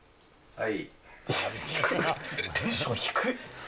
はい。